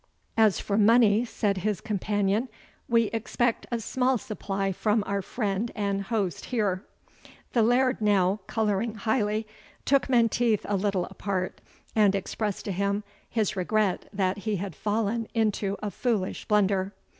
"As for money," said his companion, "We expect a small supply from our friend and host here." The Laird now, colouring highly, took Menteith a little apart, and expressed to him his regret that he had fallen into a foolish blunder.